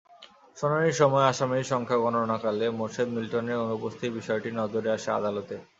শুনানির সময় আসামির সংখ্যা গণনাকালে মোরশেদ মিলটনের অনুপস্থিতির বিষয়টি নজরে আসে আদালতের।